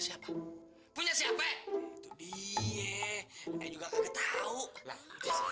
siapa yang pasti bukan kita ya